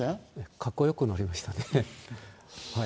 かっこよくなりましたね。